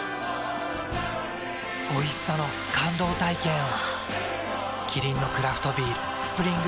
おいしさの感動体験を。